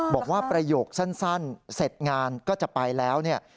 บอกว่าประโยคสั้นเสร็จงานก็จะไปแล้วเนี่ย